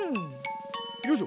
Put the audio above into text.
よいしょ。